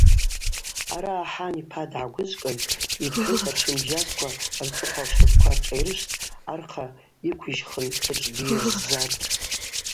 Араъа хан йпа дгӏагвыжвкӏын йпхӏвыс атшымбжьасква рцӏыхъва лщапӏква ршӏайрышвтӏ, архъа йыквижьхын дашӏдйыржвжватӏ.